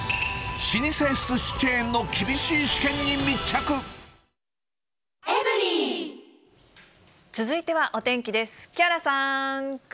老舗すしチェーンの厳しい試続いてはお天気です。